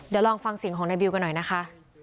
เดี๋ยวลองฟังเสียงของนายบิวกันหน่อยนะคะ